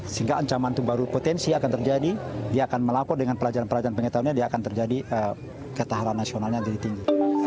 sehingga ancaman itu baru potensi akan terjadi dia akan melakukan dengan pelajaran pelajaran pengetahuan ini dia akan terjadi ketahuan nasionalnya yang jadi tinggi